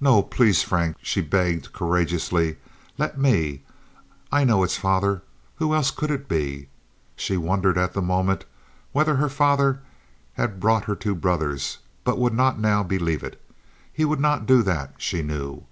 "No; please, Frank," she begged, courageously. "Let me, I know it's father. Who else could it be?" She wondered at the moment whether her father had brought her two brothers but would not now believe it. He would not do that, she knew.